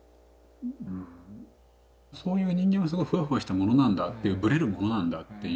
そういう人間はすごいふわふわしたものなんだっていうぶれるものなんだっていう。